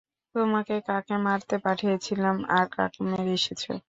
তোমাকে কাকে মারতে পাঠিয়েছিলাম, আর কাকে মেরে এসেছ?